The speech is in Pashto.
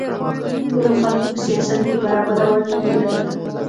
ټولو خلکو په سیاست کې برابره ونډه نه لرله.